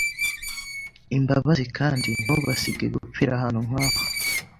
imbabazi kandi ntubasige gupfira ahantu nkaho.